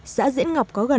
xã diễn ngọc có gợi ý